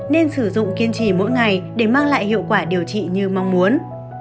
nên sử dụng kiên trì mỗi ngày để mang lại hiệu quả điều trị như mong muốn